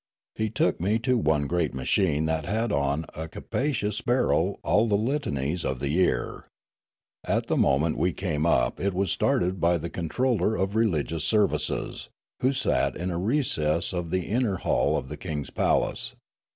He took me to one great machine that had on a capacious barrel all the litanies of the year. At the moment we came up it was started by the controller of religious services, who sat in a recess of the inner hall of the king's palace.